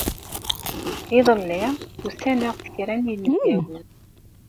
Iḍelli, usan-aɣ-d kra n yinebgawen.